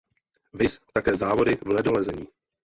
Viz také Závody v ledolezení.